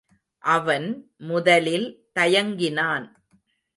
அவன் முதலில் தயங்கினான்.